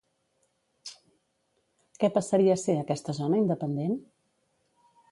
Què passaria a ser aquesta zona independent?